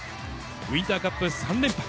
ウインターカップ３連覇。